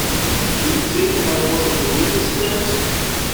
You'd think I was on the witness stand!